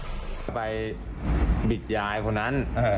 หนึ่งตอนั้นไปบิดยายหัวหนัน